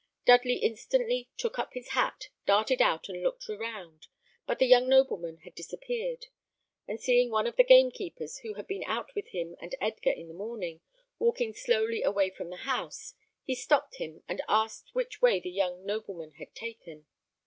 Dudley instantly took up his hat, darted out and looked around; but the young nobleman had disappeared, and seeing one of the gamekeepers who had been out with him and Edgar in the morning, walking slowly away from the house, he stopped him and asked which way the young nobleman had taken.